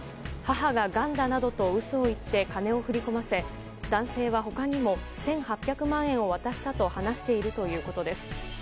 母ががんだなどと嘘を言って金を振り込ませ男性は他にも１８００万円を渡したと話しているということです。